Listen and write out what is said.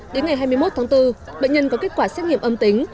đến ngày hai mươi một tháng bốn bệnh nhân có kết quả xét nghiệm âm tính